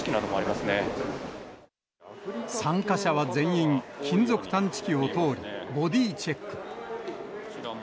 参加者は全員、金属探知機を通り、ボディーチェック。